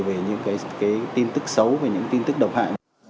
về những tin tức xấu về những tin tức độc hại